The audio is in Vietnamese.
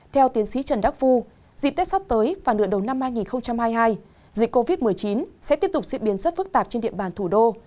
theo tiến sĩ trần đắc phu dịp tết sắp tới và nửa đầu năm hai nghìn hai mươi hai dịch covid một mươi chín sẽ tiếp tục diễn biến rất phức tạp trên địa bàn thủ đô